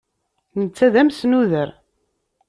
Netta d amesnuder.